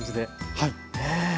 はい。